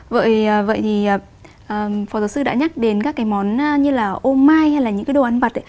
vậy thì phó giáo sư đã nhắc đến các cái món như là ômai hay là những cái đồ ăn vật